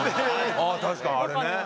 ああ確かにあれね。